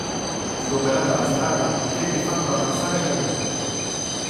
Sgomberata la strada, venne fatto avanzare l'ariete.